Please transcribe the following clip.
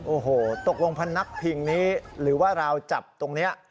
โอ้โฮตกลงพรรณัคพิงนี้หรือว่าเราจับตรงเนี่ย